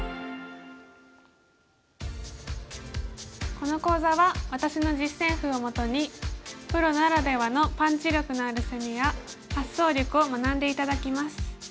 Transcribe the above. この講座は私の実戦譜をもとにプロならではのパンチ力のある攻めや発想力を学んで頂きます。